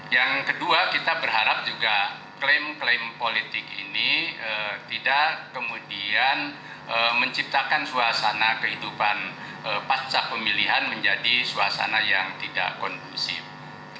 yang kedua kita berharap juga klaim klaim politik ini tidak kemudian menciptakan suasana kehidupan pasca pemilihan menjadi suasana yang tidak kondusif